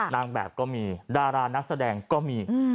นางแบบก็มีดารานักแสดงก็มี